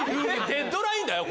デッドラインだよ？